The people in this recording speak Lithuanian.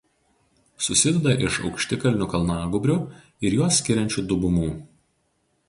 Susideda iš aukštikalnių kalnagūbrių ir juos skiriančių dubumų.